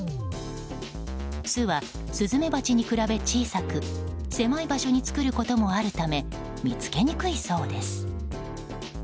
巣は、スズメバチに比べ小さく狭い場所に作ることもあるため見つけにくいそうです。